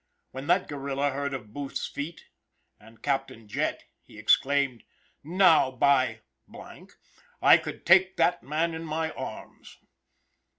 When that guerrilla heard of Booth's feat, said Captain Jett, he exclaimed: "Now, by ! I could take that man in my arms."